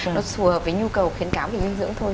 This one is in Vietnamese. nó phù hợp với nhu cầu khuyến cáo về dinh dưỡng thôi